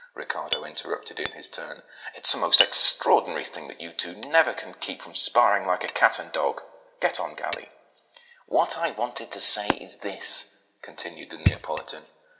Riccardo interrupted in his turn. "It's a most extraordinary thing that you two never can keep from sparring like a cat and dog. Get on, Galli!" "What I wanted to say is this," continued the Neapolitan.